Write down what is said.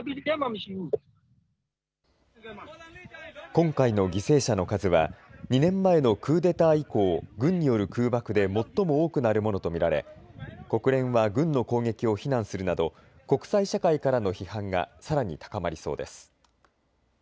今回の犠牲者の数は２年前のクーデター以降、軍による空爆で最も多くなるものと見られ国連は軍の攻撃を非難するなど国際社会からの批判がさらに高まりそうです。